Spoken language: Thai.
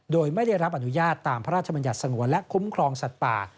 โดยไม่ได้รับอนุญาตตามพระราชบัญญัติสงวนและคุ้มครองสัตว์ป่า